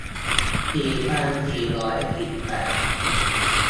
สี่พันสี่ร้อยสี่สิบแปด